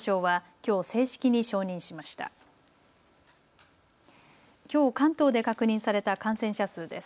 きょう関東で確認された感染者数です。